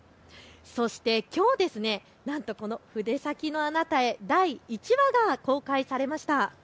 そしてきょう、なんとこの筆先のあなたへ第１話が公開されました。